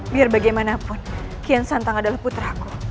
biar bagaimanapun kian santang adalah putraku